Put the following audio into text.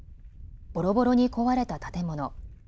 ボロボロに壊れた建物。